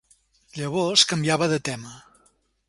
Llavors canviava de tema.